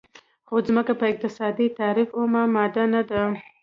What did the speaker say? خو ځمکه په اقتصادي تعریف اومه ماده نه ده.